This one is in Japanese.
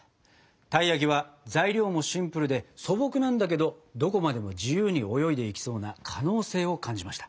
たい焼きは材料もシンプルで素朴なんだけどどこまでも自由に泳いでいきそうな可能性を感じました。